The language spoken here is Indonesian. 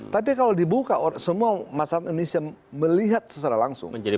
tapi kalau dibuka semua masyarakat indonesia melihat secara langsung